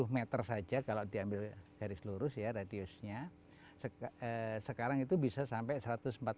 m saja kalau diambil dari seluruh siar radiusnya sekarang itu bisa sampai satu ratus empat puluh m